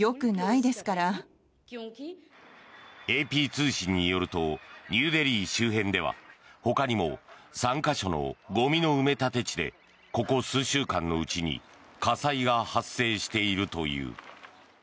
ＡＰ通信によるとニューデリー周辺ではほかにも３か所のゴミの埋め立て地でここ数週間のうちに火災が発生しているという。